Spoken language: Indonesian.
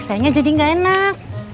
sayangnya jadi ga enak